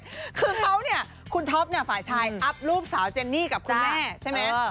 คือเขาเนี่ยคุณท็อปเนี่ยฝ่ายชายอัพรูปสาวเจนนี่กับคุณแม่ใช่ไหม